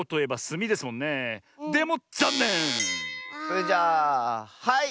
それじゃあはい！